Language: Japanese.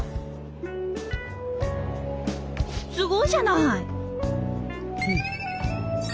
すごいじゃない！